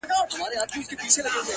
تا ويل له سره ماله تېره يم خو”